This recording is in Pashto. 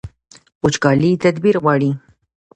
وچکالي تدبیر غواړي